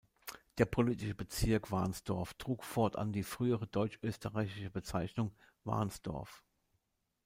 Der politische Bezirk Varnsdorf trug fortan die frühere deutsch-österreichische Bezeichnung Warnsdorf.